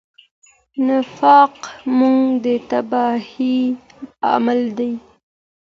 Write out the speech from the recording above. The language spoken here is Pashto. نفاق مو د تباهۍ لامل دی.